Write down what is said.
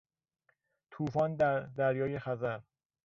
توفان در دریای خزر